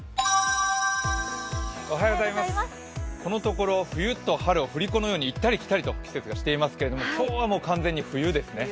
このところ冬と春を振り子のように季節がしていますけれども、今日は完全に冬ですね。